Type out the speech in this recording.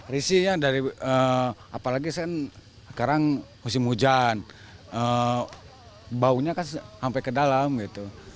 risihnya dari apalagi kan sekarang musim hujan baunya kan sampai ke dalam gitu